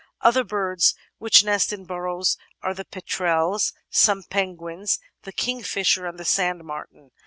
Other birds which nest in burrows are the Petrels, some Penguins, the Kingfisher, and the Sand Martin.